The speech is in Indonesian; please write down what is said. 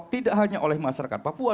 tidak hanya oleh masyarakat papua